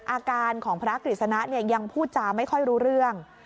อาการของพระกฤษณะยังพูดจาไม่ค่อยรู้เรื่อง